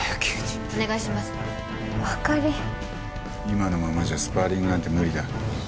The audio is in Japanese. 今のままじゃスパーリングなんて無理だ。